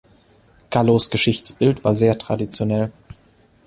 Gallos Geschichtsbild war sehr traditionell.